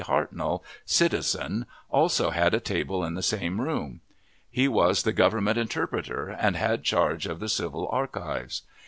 Hartnell, citizen, also had a table in the same room. He was the government interpreter, and had charge of the civil archives.